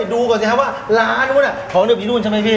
ดูก่อนสิครับว่าร้านนู้นของเดิมที่นู่นใช่ไหมพี่